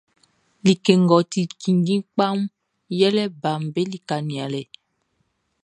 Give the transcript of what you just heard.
Like ngʼɔ ti kinndjin kpaʼn yɛle baʼm be lika nianlɛʼn.